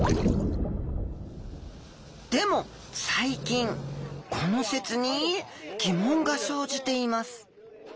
でも最近この説に疑問が生じています。